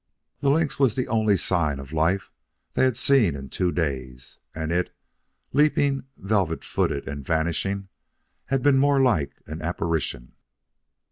The lynx was the only sign of life they had seen in two days, and it, leaping velvet footed and vanishing, had been more like an apparition.